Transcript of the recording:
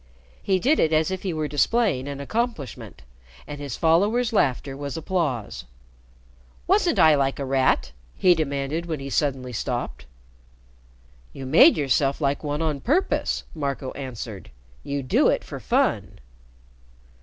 He did it as if he were displaying an accomplishment, and his followers' laughter was applause. "Wasn't I like a rat?" he demanded, when he suddenly stopped. "You made yourself like one on purpose," Marco answered. "You do it for fun."